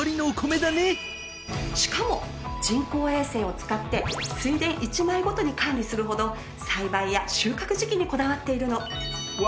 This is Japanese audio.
しかも人工衛星を使って水田１枚ごとに管理するほど栽培や収穫時期にこだわっているの。